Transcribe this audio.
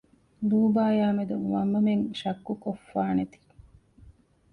ލޫބާޔާމެދު މަންމަމެން ޝައްކުކޮށްފާނެތީ